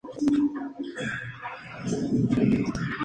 Fue director literario y dibujante de "El Padre Adam".